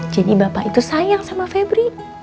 jadi bapak itu sayang sama febri